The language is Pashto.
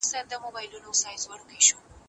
د صنعتي ټولنې راتلونکی به څنګه وي؟